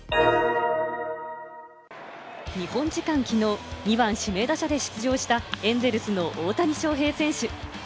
日本時間きのう、２番・指名打者で出場したエンゼルスの大谷翔平選手。